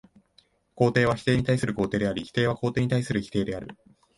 肯定は否定に対する肯定であり、否定は肯定に対する否定である。